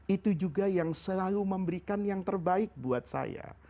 itu juga yang selalu memberikan yang terbaik buat saya